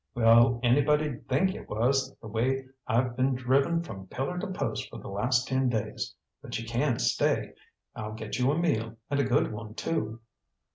"Well, anybody'd think it was, the way I've been driven from pillar to post for the last ten days! But you can stay; I'll get you a meal, and a good one, too."